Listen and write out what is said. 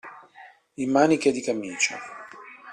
In maniche di camicia.